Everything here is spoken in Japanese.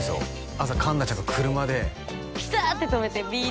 朝環奈ちゃんが車でピターッて止めてビー